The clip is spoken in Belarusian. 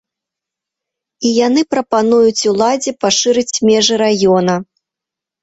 І яны прапануюць уладзе пашырыць межы раёна.